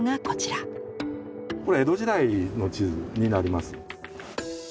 これ江戸時代の地図になります。